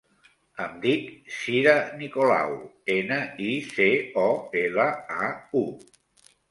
Em dic Cira Nicolau: ena, i, ce, o, ela, a, u.